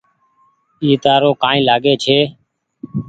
اي تآرو ڪآئي لآگي ڇي۔